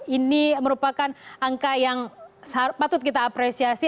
ini merupakan angka yang patut kita apresiasi